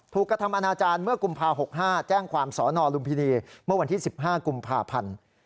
กระทำอนาจารย์เมื่อกุมภา๖๕แจ้งความสนลุมพินีเมื่อวันที่๑๕กุมภาพันธ์